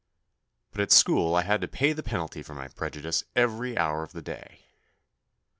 But at school I had to pay the penalty for my prejudice every hour of the day.